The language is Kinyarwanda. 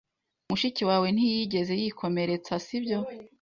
Mushiki wawe ntiyigeze yikomeretsa, sibyo?